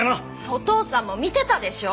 お父さんも見てたでしょう。